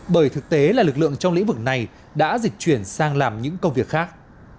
bởi thực tế là lực lượng trong lĩnh vực này đã dịch chuyển sang làm những công việc khác